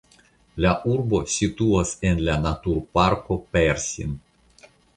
La urbo situas en la Naturparko Persin.